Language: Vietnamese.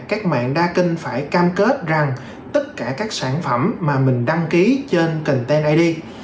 các mạng đa kinh phải cam kết rằng tất cả các sản phẩm mà mình đăng ký trên cần ten id